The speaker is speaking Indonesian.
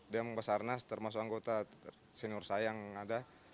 demo basarnas termasuk anggota senior saya yang ada